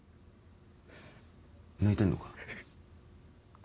泣いてんのか？